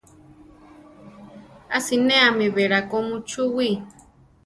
A sinéami belako muchúwii.